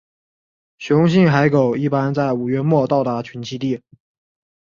雄性海狗一般在五月末到达群栖地。